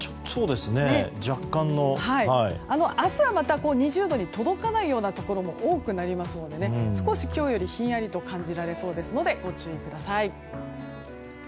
明日は２０度に届かないようなところも多くなりますので少し、今日よりひんやりと感じられそうですのでご注意ください。